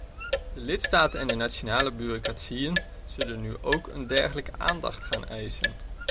De lidstaten en de nationale bureaucratieën zullen nu ook een dergelijke aandacht gaan eisen.